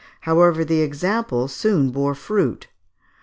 However, the example soon bore fruit.